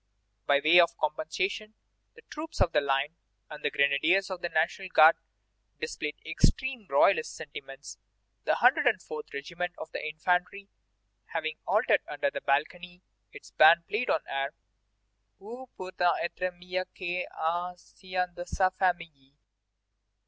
By way of compensation, the troops of the line and the grenadiers of the National Guard displayed extremely royalist sentiments. The 104th regiment of infantry having halted under the balcony, its band played the air: _Où peut on être mieux qu'au sein de sa famille?